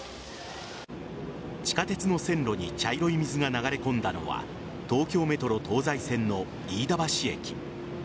地下鉄の線路に茶色い水が流れ込んだのは東京メトロ東西線の飯田橋駅。